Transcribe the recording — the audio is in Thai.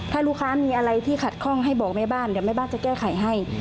ถ้าลูกค้ามีอะไรที่ขัดข้องให้บอกแม่บ้านเดี๋ยวแม่บ้านจะแก้ไขให้